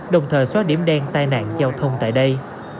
đồng thời xóa điểm đen tai nạn giao thông tại đây